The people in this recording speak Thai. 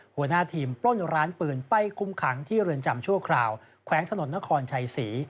หัวหน้าทีมปล้นร้านปืนไปคุมขังที่เรือนจำชั่วคราวแขวงถนนนครชัยศรี